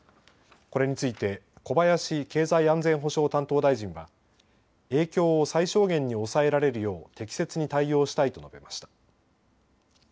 これについて小林経済安全保障担当大臣は影響を最小限に抑えられるよう適切に対応したいと述べました。